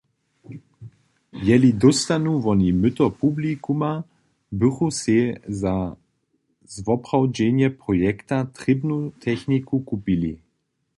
Jeli dóstanu woni myto publikuma, bychu sej za zwoprawdźenje projekta trěbnu techniku kupili.